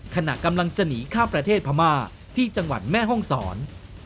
ขณะกำลังจะหนีข้ามประเทศพม่าที่จังหวัดแม่ห้องศร